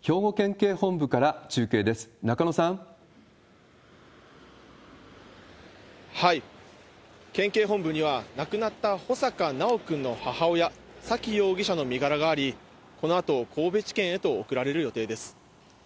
兵庫県警本部から中継です、県警本部には、亡くなった穂坂修くんの母親、沙喜容疑者の身柄があり、このあと神戸地検へと送られる予定です。